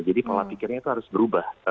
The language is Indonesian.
jadi kepala pikirnya itu harus berubah